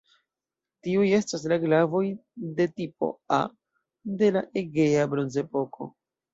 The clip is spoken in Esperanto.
Tiuj estas la glavoj de "tipo A" de la Egea Bronzepoko.